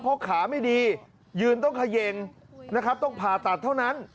เพราะขาไม่ดียืนต้องเขย่งนะครับต้องผ่าตัดเท่านั้น